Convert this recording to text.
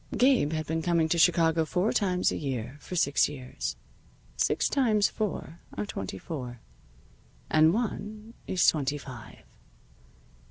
Gabe had been coming to Chicago four times a year for six years. Six times four are twenty four. And one is twenty five.